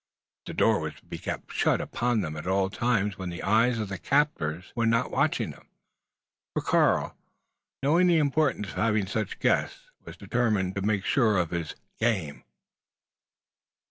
The door was to be kept shut upon them at all times when the eyes of the captors were not watching them: for Karl, knowing the importance of having such guests, was determined to make sure of his "game."